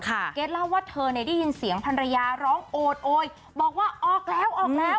เกรทเล่าว่าเธอเนี่ยได้ยินเสียงภรรยาร้องโอดโอยบอกว่าออกแล้วออกแล้ว